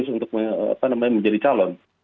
untuk apa namanya menjadi calon